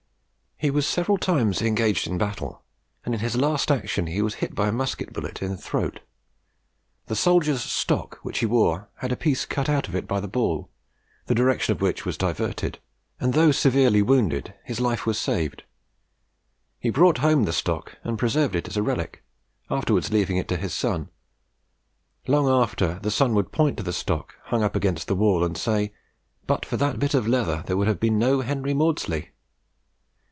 He was several times engaged in battle, and in his last action he was hit by a musket bullet in the throat. The soldier's stock which he wore had a piece cut out of it by the ball, the direction of which was diverted, and though severely wounded, his life was saved. He brought home the stock and preserved it as a relic, afterwards leaving it to his son. Long after, the son would point to the stock, hung up against his wall, and say "But for that bit of leather there would have been no Henry Maudslay."